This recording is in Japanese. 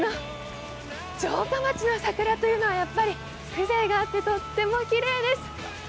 城下町の桜というのはやっぱり風情があってとてもきれいです。